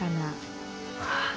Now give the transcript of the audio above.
ああ。